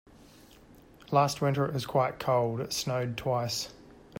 Last winter was quite cold, it snowed twice.